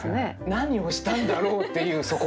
何をしたんだろうっていうそこね。